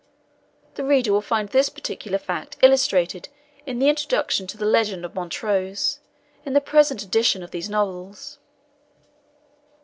The reader will find this particular fact illustrated in the Introduction to the Legend of Montrose in the present edition of these Novels.